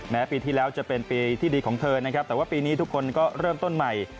ปีที่แล้วจะเป็นปีที่ดีของเธอนะครับแต่ว่าปีนี้ทุกคนก็เริ่มต้นใหม่